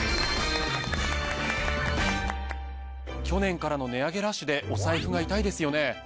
去年からの値上げラッシュでお財布が痛いですよね。